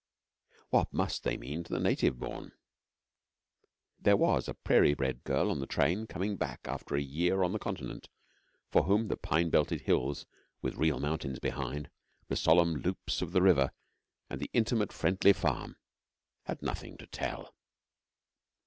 What must they mean to the native born? There was a prairie bred girl on the train, coming back after a year on the Continent, for whom the pine belted hills, with real mountains behind, the solemn loops of the river, and the intimate friendly farm had nothing to tell.